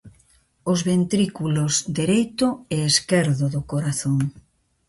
Os ventrículos dereito e esquerdo do corazón.